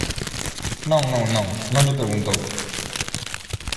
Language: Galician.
Non, non, non, non lle preguntou.